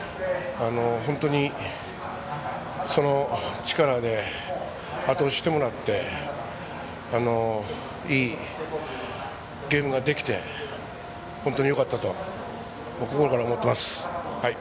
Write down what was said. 本当にその力であと押ししてもらっていいゲームができて本当によかったと心から思ってます。